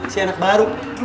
si anak baru